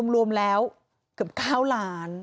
รวมแล้วเกือบ๙ล้าน